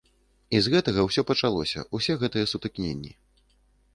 І з гэтага ўсё пачалося, усе гэтыя сутыкненні.